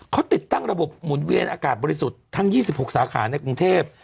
เขาติดตั้งระบบหมุนเวียนอากาศบริสุทธิ์ทั้ง๒๖สาขาในกรุงเทพ